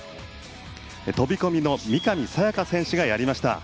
飛込の三上選手がやりました。